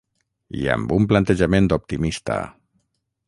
I amb un plantejament optimista.